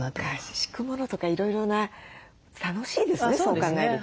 敷くものとかいろいろな楽しいですねそう考えると。